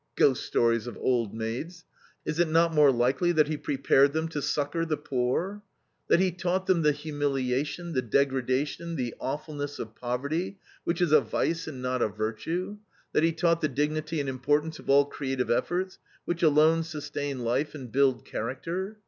Ghost stories of old maids. Is it not more likely that he prepared them to succor the poor? That he taught them the humiliation, the degradation, the awfulness of poverty, which is a vice and not a virtue; that he taught the dignity and importance of all creative efforts, which alone sustain life and build character.